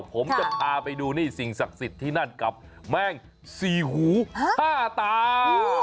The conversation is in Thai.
ผมจะพาไปดูนี่สิ่งศักดิ์สิทธิ์ที่นั่นกับแม่งสี่หูห้าตา